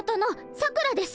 さくらです。